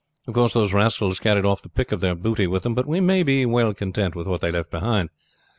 "Of course those rascals carried off the pick of their booty with them; but we may be well content with what they left behind.